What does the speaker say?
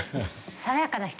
爽やかな人。